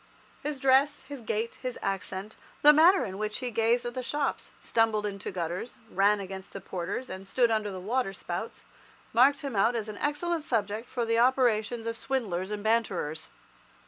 His dress, his gait, his accent, the manner in which he gazed at the shops, stumbled into gutters, ran against the porters, and stood under the waterspouts, marked him out as an excellent subject for the operations of swindlers and banterers.